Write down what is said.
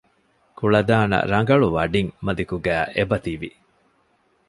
ކުޅަދާނަ ރަނގަޅު ވަޑިން މަލިކުގައި އެބަތިވި